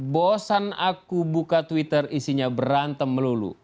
bosan aku buka twitter isinya berantem melulu